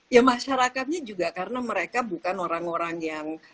ya masyarakatnya juga karena mereka bukan orang orang yang